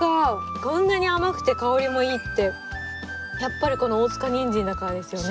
こんなに甘くて香りもいいってやっぱり大塚にんじんだからですよね？